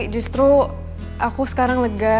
justru aku sekarang lega